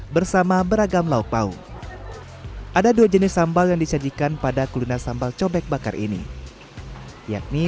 bersama beragam lauk pauk ada dua jenis sambal yang disajikan pada kuliner sambal cobek bakar ini yakni